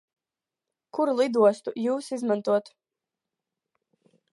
Kuru lidostu Jūs izmantotu?